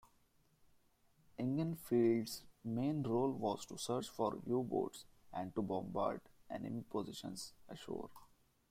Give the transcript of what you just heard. "Inglefield"s main role was to search for U-boats and to bombard enemy positions ashore.